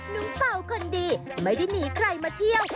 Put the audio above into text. น้องเป่าคนดีไม่ได้หนีใครมาเที่ยว